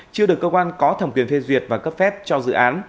chưa được cơ quan có thẩm quyền phê duyệt và cấp phép cho dự án